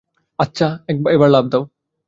আচ্ছা, এবার লাফ দাও।